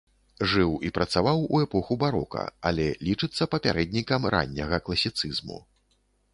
Жыў і працаваў у эпоху барока, але лічыцца папярэднікам ранняга класіцызму.